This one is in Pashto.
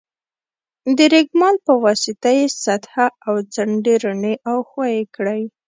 د رېګمال په واسطه یې سطحه او څنډې رڼې او ښوي کړئ.